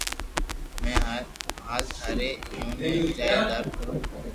۾ ھال ٿاري ايويي خاتر دارو ڪرو